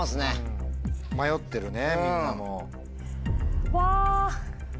迷ってるねみんなも。わ。